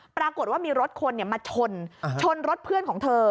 ปรากฏว่ามีรถคนมาชนชนรถเพื่อนของเธอ